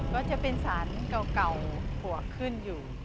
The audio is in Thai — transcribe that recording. ก็จะเป็นสารเก่าปวกขึ้นอยู่